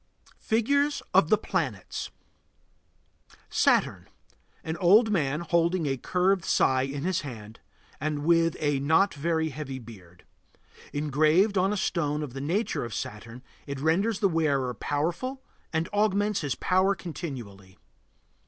FIGURES OF THE PLANETS SATURN. An old man holding a curved scythe in his hand and with a not very heavy beard. Engraved on a stone of the nature of Saturn, it renders the wearer powerful and augments his power continually.